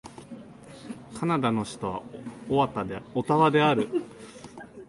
カナダの首都はオタワである